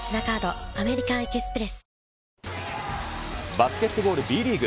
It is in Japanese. バスケットボールＢリーグ。